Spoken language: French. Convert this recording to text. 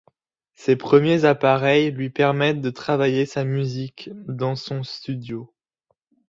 Ces premiers appareils lui permettent de travailler sa musique dans son studio.